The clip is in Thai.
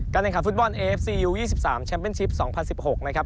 การแข่งขัดฟุตบอลเอเอฟซียูยี่สิบสามแชมเป็นชิปสองพันสิบหกนะครับ